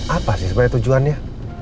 apa sih sebenernya tujuannya